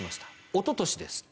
おととしです。